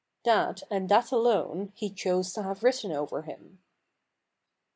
That, and that alone, he chose to have written over him."